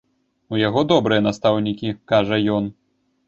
У яго добрыя настаўнікі, кажа ён.